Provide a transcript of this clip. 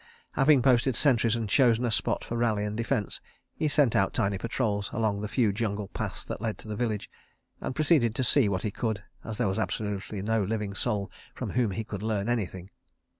... Having posted sentries and chosen a spot for rally and defence, he sent out tiny patrols along the few jungle paths that led to the village, and proceeded to see what he could, as there was absolutely no living soul from whom he could learn anything.